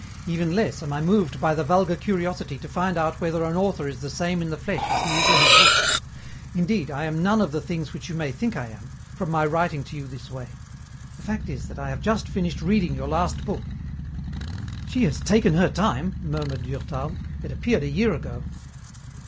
Even less am I moved by the vulgar curiosity to find out whether an author is the same in the flesh as he is in his books. Indeed I am none of the things which you may think I am, from my writing to you this way. The fact is that I have just finished reading your last book," "She has taken her time," murmured Durtal, "it appeared a year ago."